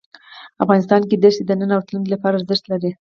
افغانستان کې دښتې د نن او راتلونکي لپاره ارزښت لري.